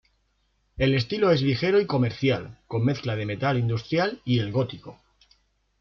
El estilo es ligero y comercial, con mezcla de metal industrial y el gótico.